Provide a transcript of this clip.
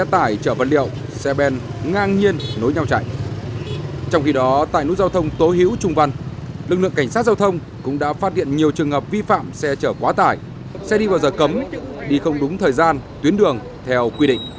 trong khi đó tại nút giao thông tố hữu trung văn lực lượng cảnh sát giao thông cũng đã phát hiện nhiều trường hợp vi phạm xe chở quá tải xe đi vào giờ cấm đi không đúng thời gian tuyến đường theo quy định